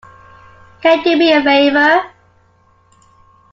Can you do me a favor?